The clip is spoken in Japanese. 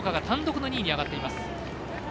単独の２位に上がっています。